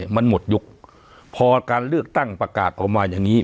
มันหมดยุคพอการเลือกตั้งประกาศออกมาอย่างนี้